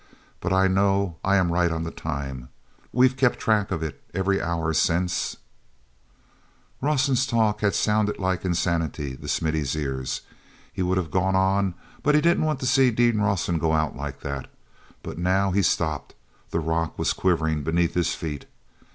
"But I know I am right on the time. We've kept track of it every hour since—" Rawson's talk had sounded like insanity in Smithy's ears. He would have gone on—he didn't want to see Dean Rawson go out like that—but now he stopped. The rock was quivering beneath his feet.